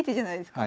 はい。